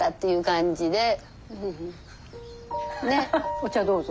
お茶どうぞ。